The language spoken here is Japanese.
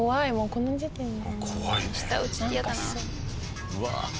この時点で。